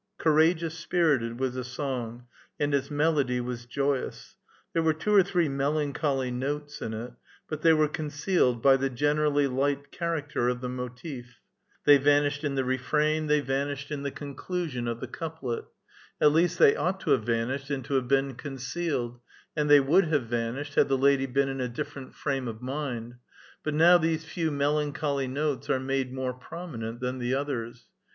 Courageous, spirited, was the song, and its melody was joyous. There were two or three melancholy notes in it, but they were concealed by the generally lio^ht character of the motive ; they vanished in the refrain, they vanished in the A VITAL QUESTION. 5 conclusion of the couplet, — at least they ought to have van ished and to have been concealed, and they would hate van ished had the lady been in a different frame of mind ; but now these few melancholy notes are made more prominent than the others.